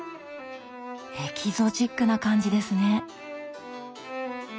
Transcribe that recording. エキゾチックな感じですね。